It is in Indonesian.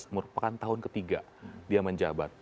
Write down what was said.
dua ribu tujuh belas merupakan tahun ke tiga dia menjabat